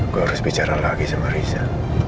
gue harus bicara lagi sama reza